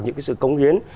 những cái sự cống hiến